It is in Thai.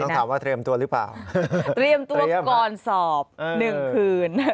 ถามว่าเตรียมตัวหรือเปล่าเตรียมตัวก่อนสอบ๑คืน